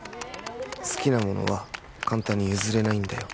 好きなものは簡単に譲れないんだよ